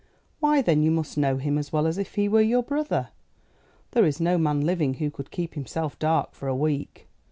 Why then you must know him as well as if he were your brother. There is no man living who could keep himself dark for a week.